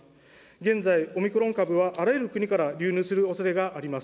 現在、オミクロン株はあらゆる国から流入するおそれがあります。